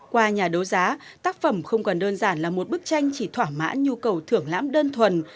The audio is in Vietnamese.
qua nhà đấu giá tác phẩm không còn đơn giản là một bức tranh chỉ thỏa mãn nhu cầu thưởng lãm đơn thuần